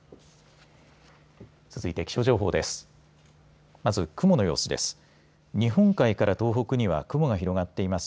続いて気象情報です。